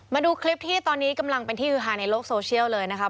มาดูคลิปที่ตอนนี้กำลังเป็นที่ฮือฮาในโลกโซเชียลเลยนะครับ